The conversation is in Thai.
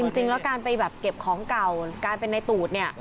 จริงแล้วการไปแบบเก็บของเก่าการเป็นในตูดเนี่ย